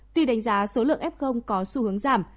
tuy đánh giá số lượng f có xu hướng giảm